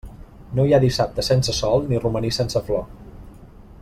No hi ha dissabte sense sol ni romaní sense flor.